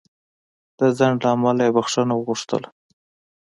د ځنډ له امله یې بخښنه وغوښتله.